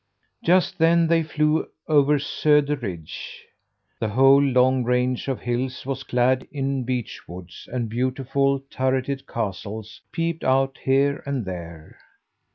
Just then they flew over Söder Ridge. The whole long range of hills was clad in beech woods, and beautiful, turreted castles peeped out here and there.